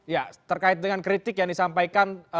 ya terkait dengan kritik yang disampaikan